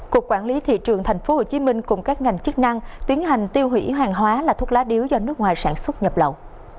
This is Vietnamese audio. cục quản lý thị trường tp hcm cùng các ngành chức năng tiến hành tiêu hủy hàng hóa là thuốc lá điếu do nước ngoài sản xuất nhập lậu